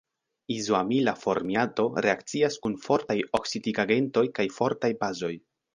Izoamila formiato reakcias kun fortaj oksidigagentoj kaj fortaj bazoj.